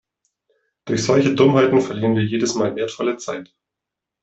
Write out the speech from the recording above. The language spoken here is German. Durch solche Dummheiten verlieren wir jedes Mal wertvolle Zeit.